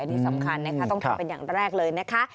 นี่สำคัญนะคะต้องทำเป็นอย่างแรกเลยนะคะ